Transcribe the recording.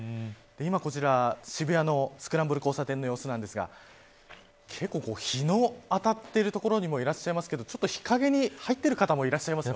今、こちら渋谷のスクランブル交差点の様子ですが結構、日の当たっている所にもいらっしゃいますけど日陰に入っている方もいらっしゃいます。